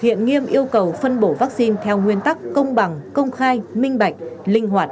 hiện nghiêm yêu cầu phân bổ vaccine theo nguyên tắc công bằng công khai minh bạch linh hoạt